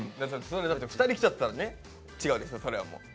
２人来ちゃったらね違うでしょそれはもう。